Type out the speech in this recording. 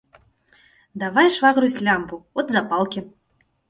Давай, швагрусь, лямпу, от запалкі.